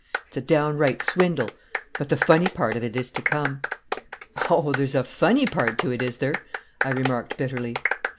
It's a downright swindle. But the funny part of it is to come." "O, there's a funny part to it, is there?" I remarked bitterly.